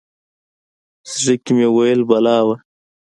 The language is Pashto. زړه کې مې ویل بلا وه.